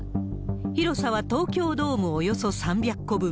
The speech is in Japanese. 広さは東京ドームおよそ３００個分。